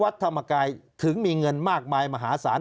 ธรรมกายถึงมีเงินมากมายมหาศาล